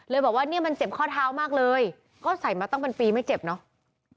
บอกว่าเนี่ยมันเจ็บข้อเท้ามากเลยก็ใส่มาตั้งเป็นปีไม่เจ็บเนอะ